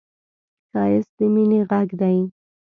ښایست د مینې غږ دی